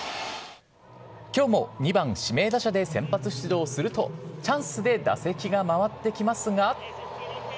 きょうも２番指名打者で先発出場すると、チャンスで打席が回ってきますが。